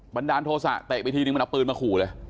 ันดาลโทษะเตะไปทีนึงมันเอาปืนมาขู่เลย